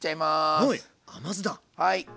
はい。